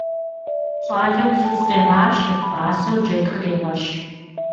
Щӏалэу фыз къегъашэ, пасэу джэд кърегъэш.